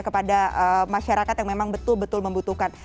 kepada masyarakat yang memang betul betul membutuhkan